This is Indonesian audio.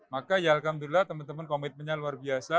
maka ya alhamdulillah teman teman komitmennya luar biasa